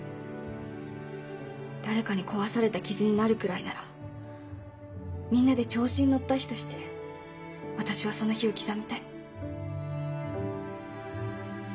誰かに壊された傷になるくらいならみんなで調子に乗った日として私はその日を刻みたい。